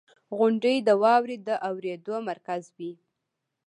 • غونډۍ د واورې د اورېدو مرکز وي.